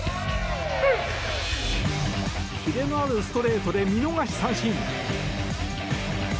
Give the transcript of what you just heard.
キレのあるストレートで見逃し三振。